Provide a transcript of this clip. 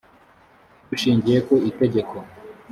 dushingiye ku itegeko